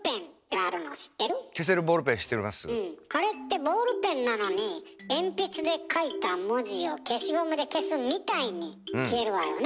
あれってボールペンなのに鉛筆で書いた文字を消しゴムで消すみたいに消えるわよね。